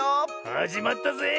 はじまったぜえ。